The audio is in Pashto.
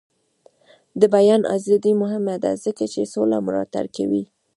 د بیان ازادي مهمه ده ځکه چې سوله ملاتړ کوي.